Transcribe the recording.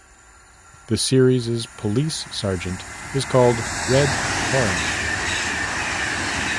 The series' police sergeant is called "Red" Hoerring.